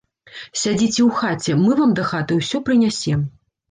Сядзіце ў хаце, мы вам дахаты ўсё прынясем.